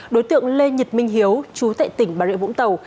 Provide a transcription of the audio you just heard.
đối tượng lê nhật minh hiếu chú tại tỉnh bà rịa vũng tàu